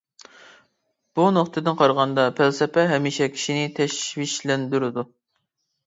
بۇ نۇقتىدىن قارىغاندا، پەلسەپە ھەمىشە «كىشىنى تەشۋىشلەندۈرىدۇ» .